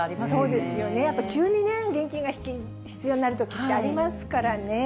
そうですよね、急に現金が必要になるときってありますからね。